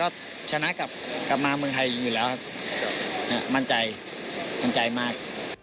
ก็ชนะกลับมาเมืองไทยอยู่แล้วครับมั่นใจมั่นใจมาก